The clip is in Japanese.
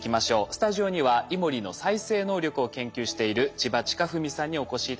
スタジオにはイモリの再生能力を研究している千葉親文さんにお越し頂きました。